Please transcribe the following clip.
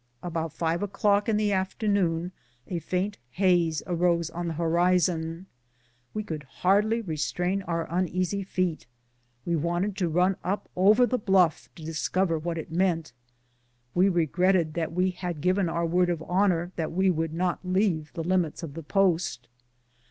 About five o'clock in the afternoon a faint haze arose on the ho rizon. We could hardly restrain our uneasy feet. We wanted to run up over the bluff to discover what .it meant. We regretted that we had given our word of honor that we would not leave the limits of the post.